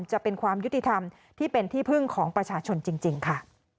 จะเป็นความยุติธรรมที่เป็นที่พึ่งของประชาชนจริงค่ะ